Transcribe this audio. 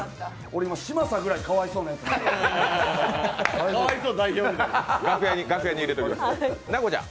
俺、嶋佐ぐらいかわいそうなやつになってる。